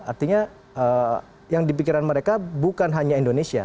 artinya yang di pikiran mereka bukan hanya indonesia